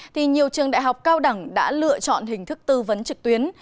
thì nhiều trường đại học cao đẳng đã lựa chọn hình thức tư vấn trực tuyến